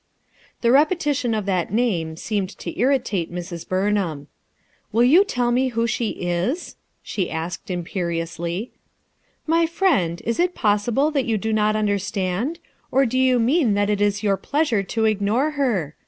The repetition of that name seemed to irritate Mrs. Burnham, u Will you tell me who she is ?" die asked imperiously, "My friend, is it possible that you do not understand? or do you mean that it is your pleasure to ignore her?